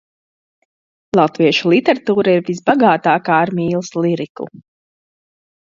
Latviešu literatūra ir visbagātākā ar mīlas liriku.